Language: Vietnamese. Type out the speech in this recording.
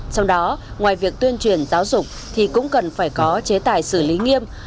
trong đó ngoài việc tuyên truyền giáo dục thì cũng cần phải có chế tài xử lý nghiêm